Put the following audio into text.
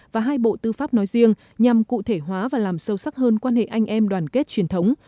và hai bộ tư pháp nói riêng nhằm cụ thể hóa và làm sâu sắc hơn quan hệ anh em đoàn kết truyền thống